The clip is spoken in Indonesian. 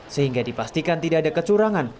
sehingga dipastikan tidak ada kecurangan